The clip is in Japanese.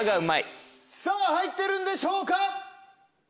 さぁ入ってるんでしょうか？